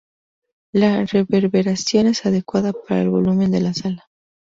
La reverberación es adecuada para el volumen de la sala.